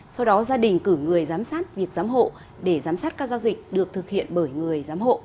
sau đó gia đình cử người giám sát việc giám hộ để giám sát các giao dịch được thực hiện bởi người giám hộ